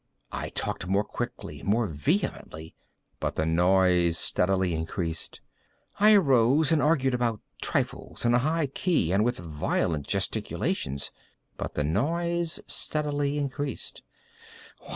I talked more quickly—more vehemently; but the noise steadily increased. I arose and argued about trifles, in a high key and with violent gesticulations; but the noise steadily increased.